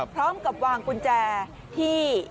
พร้อมกับวางกุญแจที่